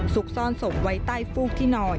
สุกซ่อนสมไว้ใต้ฟูกที่นอน